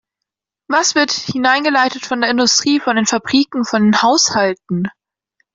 Was wird hineingeleitet von der Industrie, von den Fabriken, von den Haushalten?